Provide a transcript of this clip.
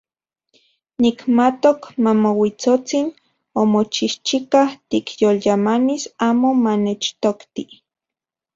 Nikmatok Momauitsotsin omochijchika tikyolyamanis amo manechtokti.